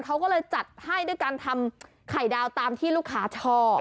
เขาก็เลยจัดให้ด้วยการทำไข่ดาวตามที่ลูกค้าชอบ